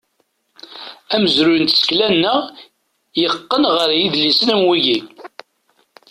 Amezruy n tsekla-nneɣ, yeqqen ɣer yidlisen am wigi.